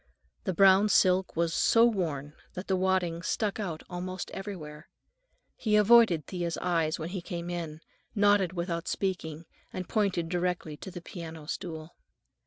The brown silk was so worn that the wadding stuck out almost everywhere. He avoided Thea's eyes when he came in, nodded without speaking, and pointed directly to the piano stool.